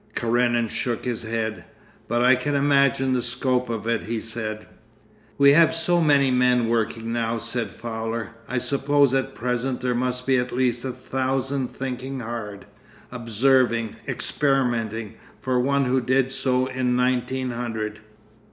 Karenin shook his head. 'But I can imagine the scope of it,' he said. 'We have so many men working now,' said Fowler. 'I suppose at present there must be at least a thousand thinking hard, observing, experimenting, for one who did so in nineteen hundred.